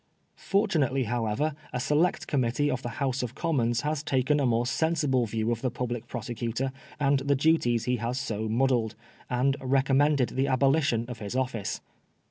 Fortunately, however, a Select Committee of the House of Commons has taken a more sensible view of the Public Prosecutor and the duties he has so muddled, and recommended the abolition of his office.